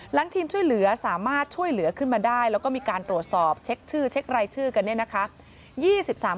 ทีมช่วยเหลือสามารถช่วยเหลือขึ้นมาได้แล้วก็มีการตรวจสอบเช็คชื่อเช็ครายชื่อกันเนี่ยนะคะ